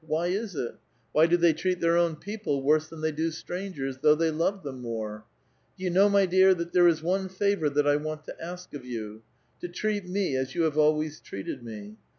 Why is it? Why do they treat their own people worse than they do strangers, though they love them more? Do you know, my dear, that there is one favor that I want to ask of von, — to treat me as vou have always treated me.